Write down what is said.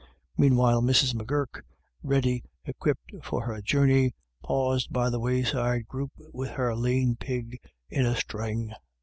Meanwhile, Mrs. M'Gurk, ready equipped for her journfey, paused by the wayside group with her lean pig in a string.